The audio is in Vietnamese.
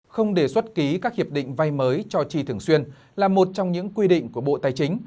không đề xuất ký các hiệp định vay mới cho trì thường xuyên là một trong những quy định của bộ tài chính